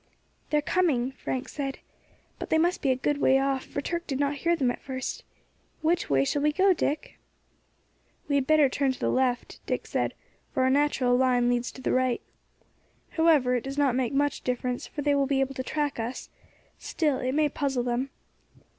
"They are coming," Frank said; "but they must be a good way off, for Turk did not hear them at first. Which way shall we go, Dick?" "We had better turn to the left," Dick said, "for our natural line leads to the right. However, it does not make much difference, for they will be able to track us; still, it may puzzle them.